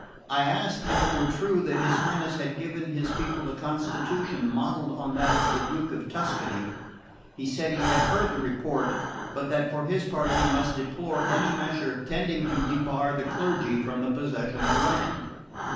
I asked if it were true that his Highness had given his people a constitution modelled on that of the Duke of Tuscany. He said he had heard the report; but that for his part he must deplore any measure tending to debar the clergy from the possession of land.